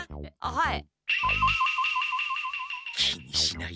はい。